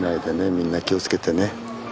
みんな気を付けてね。